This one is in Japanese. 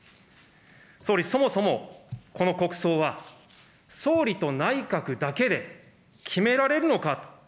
総理、そもそもこの国葬は、総理と内閣だけで、決められるのか。